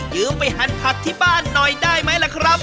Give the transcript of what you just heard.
ยืมไปหันผักที่บ้านหน่อยได้ไหมล่ะครับ